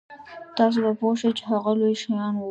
تاسو به پوه شئ چې هغه لوی شیان وو.